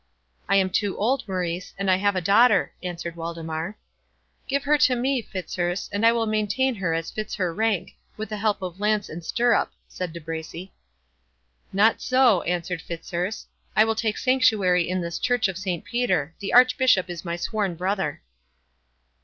"I am too old, Maurice, and I have a daughter," answered Waldemar. "Give her to me, Fitzurse, and I will maintain her as fits her rank, with the help of lance and stirrup," said De Bracy. "Not so," answered Fitzurse; "I will take sanctuary in this church of Saint Peter—the Archbishop is my sworn brother."